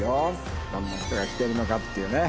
どんな人が来てるのかっていうね。